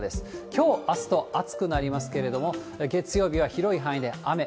きょう、あすと暑くなりますけれども、月曜日は広い範囲で雨。